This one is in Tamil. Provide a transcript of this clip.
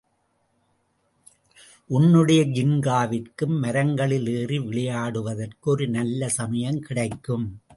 உன்னுடைய ஜின்காவிற்கும் மரங்களில் ஏறி விளையாடுவதற்கு ஒரு நல்ல சமயம் கிடைக்கும்.